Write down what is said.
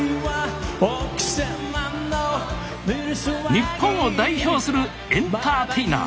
日本を代表するエンターテイナー。